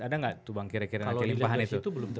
ada nggak tuh bang kira kira nanti limpahan itu